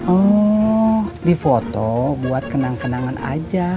oh di foto buat kenang kenangan aja